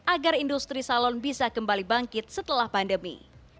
agar industri salon bisa kembali bangkit setelah pandemi